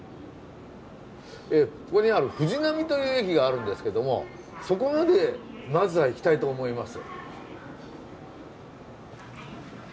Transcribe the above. ここにある藤並という駅があるんですけどもそこまでまずは行きたいと思います。